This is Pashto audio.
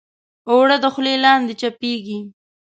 اوړه د خولې لاندې چپېږي